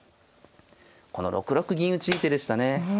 この６六銀打いい手でしたね。